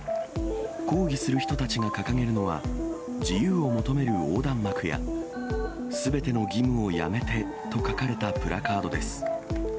抗議する人たちが掲げるのは、自由を求める横断幕や、すべての義務をやめて！と書かれたプラカードです。